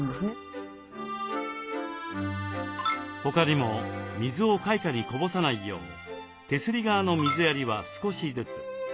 他にも水を階下にこぼさないよう手すり側の水やりは少しずつ。